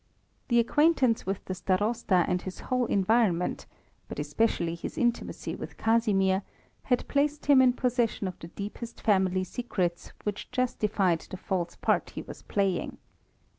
The acquaintance with the Starosta and his whole environment, but especially his intimacy with Casimir, had placed him in possession of the deepest family secrets which justified the false part he was playing.